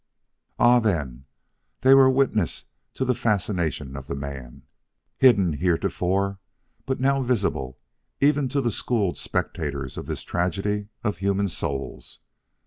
Ah, then, they were witness to the fascination of the man, hidden heretofore, but now visible even to the schooled spectators of this tragedy of human souls.